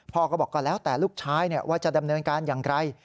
พ่อก็บอกก็แล้วแต่ลูกชายว่าจะดำเนินการอย่างไร